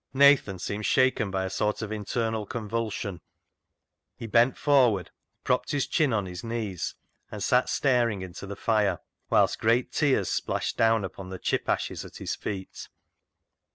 Nathan seemed shaken by a sort of internal convulsion. He bent forward, propped his chin on his knees, and sat staring into the fire, whilst great tears splashed down upon the chip ashes at his feet.